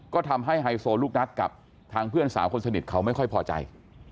ก็ทำให้ไฮโซลูกนัดกับทางเพื่อนสาวคนสนิทเขาไม่ค่อยพอใจ